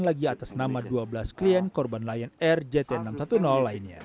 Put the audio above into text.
lagi atas nama dua belas klien korban lion air jt enam ratus sepuluh lainnya